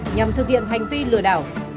nhằm thực hiện hành vi lừa đảo